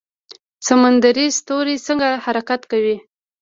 سمندري ستوری څنګه حرکت کوي؟